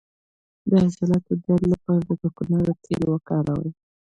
د عضلاتو درد لپاره د کوکنارو تېل وکاروئ